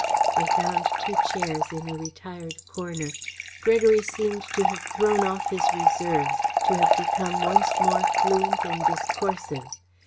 They found two chairs in a retired corner. Gregory seemed to have thrown off his reserves, to have become once more fluent and discoursive.